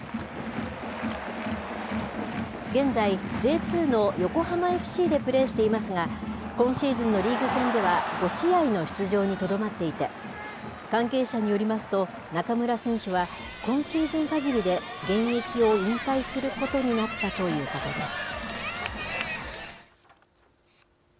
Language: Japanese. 現在、Ｊ２の横浜ＦＣでプレーしていますが、今シーズンのリーグ戦では、５試合の出場にとどまっていて、関係者によりますと、中村選手は、今シーズンかぎりで現役を引退することになったということです。